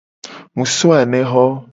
Mu so anexo.